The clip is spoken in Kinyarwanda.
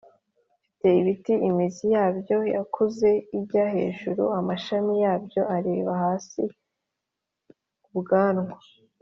Mfite ibiti imizi yabyo yakuze ijya hejuru, amashami yabyo areba hasi- Ubwanwa.